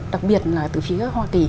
đặc biệt là từ phía hoa kỳ